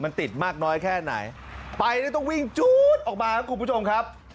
มันติดมากน้อยแค่ไหนไปแล้วต้องวิ่งจู๊ดออกมาครับคุณผู้ชมครับ